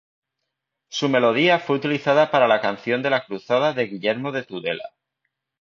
Su melodía fue utilizada para la "Canción de la Cruzada" de Guillermo de Tudela.